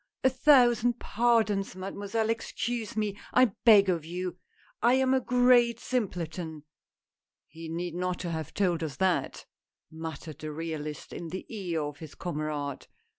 a thousand pardons, mademoiselle, excuse me, I beg of you, I am a great simpleton !"" He need not have told us that," muttered the realist in the ear of his comrade.